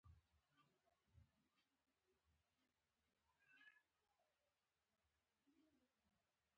هارون وویل: ډېر ښه او ټولو حاضرینو هم په بهلول آفرین ووایه.